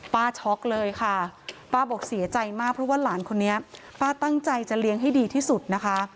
ช็อกเลยค่ะป้าบอกเสียใจมากเพราะว่าหลานคนนี้ป้าตั้งใจจะเลี้ยงให้ดีที่สุดนะคะ